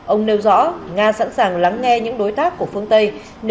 ông nêu rõ nga sẵn sàng lắng nghe những đối tác của phương tây